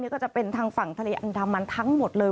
ก็จะเป็นทางฝั่งทะเลอันดามันทั้งหมดเลย